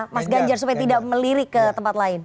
mas ganjar supaya tidak melirik ke tempat lain